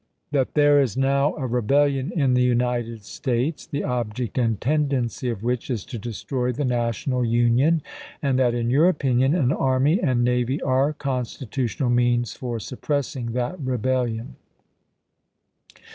That there is now a rebellion in the United States, the object and tendency of which is to destroy the Na tional Union, and that, in your opinion, an army and navy are constitutional means for suppressing that re bellion.